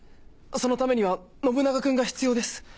そのためには信長君が必要です。